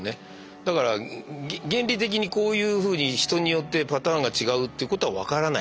だから原理的にこういうふうに人によってパターンが違うっていうことは分からない。